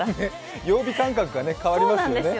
曜日感覚が変わりますよね。